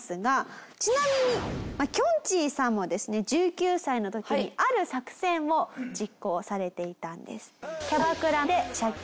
ちなみにきょんちぃさんもですね１９歳の時にある作戦を実行されていたんです。